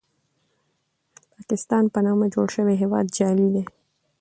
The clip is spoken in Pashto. پاکستان په نامه جوړ شوی هېواد جعلي دی.